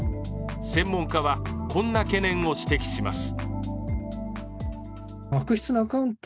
専門家はこんな懸念を指摘します。